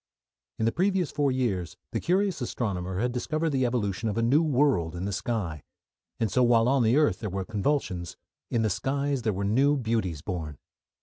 In the previous four years the curious astronomer had discovered the evolution of a new world in the sky, and so while on earth there were convulsions, in the skies there were new beauties born.